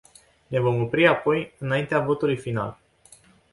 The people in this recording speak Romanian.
Ne vom opri apoi înaintea votului final.